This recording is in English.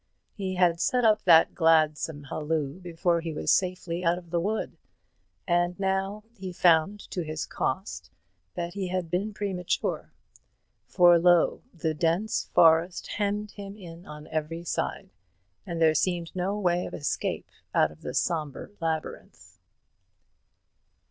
He had set up that gladsome halloo before he was safely out of the wood; and now he found to his cost that he had been premature; for lo, the dense forest hemmed him in on every side, and there seemed no way of escape out of the sombre labyrinth.